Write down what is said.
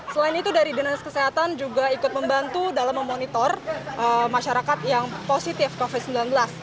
selain itu dari dinas kesehatan juga ikut membantu dalam memonitor masyarakat yang positif covid sembilan belas